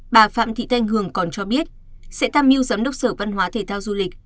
bà phạm thị thanh hường còn cho biết sẽ tham mưu giám đốc sở văn hóa thể thao du lịch